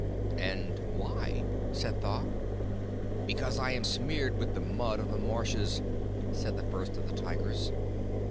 'And why?' said Tha. 'Because I am smeared with the mud of the marshes,' said the First of the Tigers.